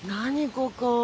ここ。